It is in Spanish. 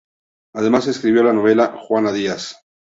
Además escribió la novela "Juana Díaz".